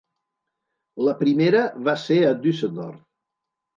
La primera va ser a Düsseldorf.